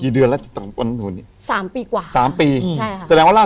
สามปีกว่า